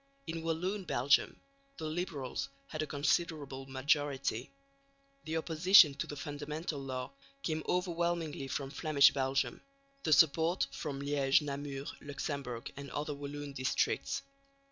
In Walloon Belgium the Liberals had a considerable majority. The opposition to the Fundamental Law came overwhelmingly from Flemish Belgium; the support from Liège, Namur, Luxemburg and other Walloon districts.